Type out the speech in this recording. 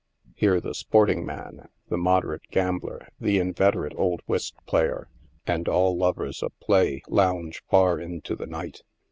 Here the sporting man, the moderate gambler, the inveterate old whist player, and all.lovers of play lounge far into the night.